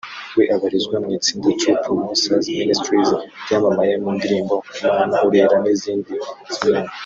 we abarizwa mu itsinda True Promises Ministries ryamamaye mu ndirimbo ‘Mana Urera’ n’izindi zinyuranye